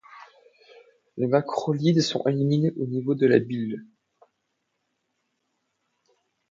Les macrolides sont éliminés au niveau de la bile.